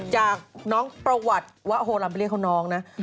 จากน้องประวัติว่าโฮลัมไปเรียกเขาน้องนะ